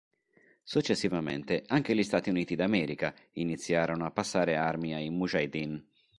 Successivamente anche gli Stati Uniti d'America iniziarono a passare armi ai Mujaheddin.